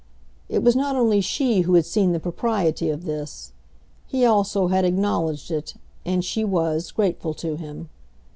It was not only she who had seen the propriety of this. He also had acknowledged it, and she was grateful to him.